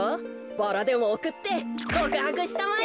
バラでもおくってこくはくしたまえ。